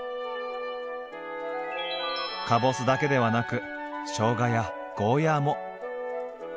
かぼすだけではなくしょうがやゴーヤーも。